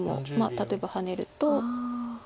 例えばハネると。